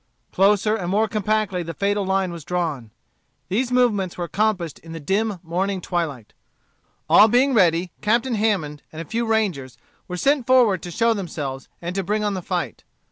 Closer and more compactly the fatal line was drawn. These movements were accomplished in the dim morning twilight. All being ready, Captain Hammond, and a few rangers, were sent forward to show themselves, and to bring on the fight.